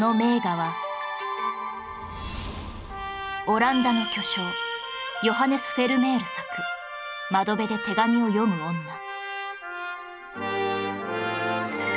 オランダの巨匠ヨハネス・フェルメール作『窓辺で手紙を読む女』